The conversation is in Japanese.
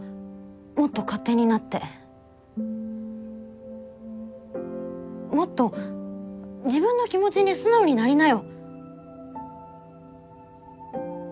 もっと勝手になってもっと自分の気持ちに素直になりなよ